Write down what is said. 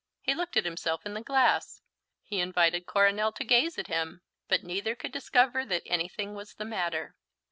He looked at himself in the glass; he invited Coronel to gaze at him; but neither could discover that anything was the matter.